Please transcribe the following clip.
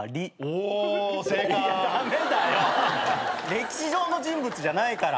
歴史上の人物じゃないから。